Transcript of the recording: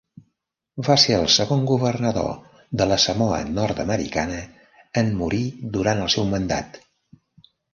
Va ser el segon governador de la Samoa Nord-americana en morir durant el seu mandat.